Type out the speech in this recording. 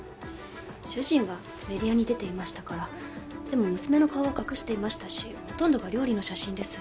主人はメディアに出ていましたからでも娘の顔は隠していましたしほとんどが料理の写真です